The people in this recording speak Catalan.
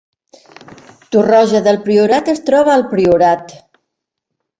Torroja del Priorat es troba al Priorat